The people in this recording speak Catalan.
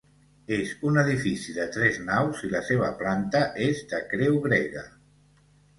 És un edifici de tres naus i la seva planta és de creu grega.